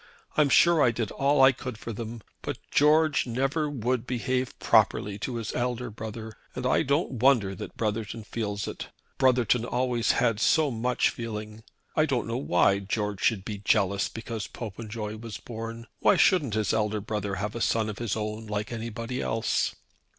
I'm sure I did all I could for them; but George never would behave properly to his elder brother, and I don't wonder that Brotherton feels it. Brotherton always had so much feeling. I don't know why George should be jealous because Popenjoy was born. Why shouldn't his elder brother have a son of his own like anybody else?"